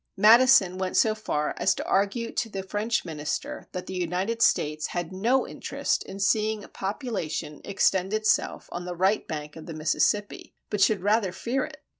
Madison went so far as to argue to the French minister that the United States had no interest in seeing population extend itself on the right bank of the Mississippi, but should rather fear it.